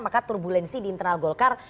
maka turbulensi di internal golkar